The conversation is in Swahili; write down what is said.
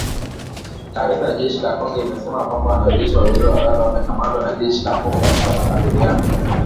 Taarifa ya jeshi la Kongo imesema kwamba wanajeshi wawili wa Rwanda wamekamatwa na jeshi la Kongo katika makabiliano